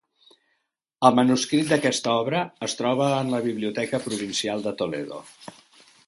El manuscrit d'aquesta obra es troba en la Biblioteca provincial de Toledo.